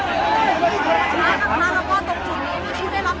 ขอบคุณห้าหกปีแล้วคุณก็จะได้ขอบเลยครับเชิญเลยครับ